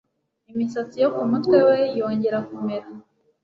imisatsi yo ku mutwe we yongera kumera